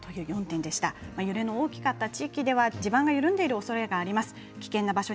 揺れの大きかった地域では地盤が緩んでいるおそれがあります。